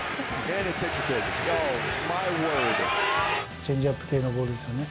チェンジアップ系のボールですよね。